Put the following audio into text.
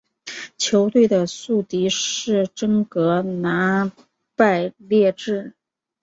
球队的宿敌是真格拿拜列治。